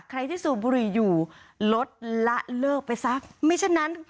ใครที่สูบบุหรี่อยู่ลดละเลิกไปซะไม่เช่นนั้น